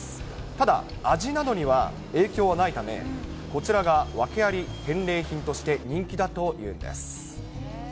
ただ味などには影響はないため、こちらが訳あり返礼品として人気だというんです。